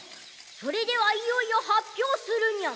それではいよいよ発表するニャン。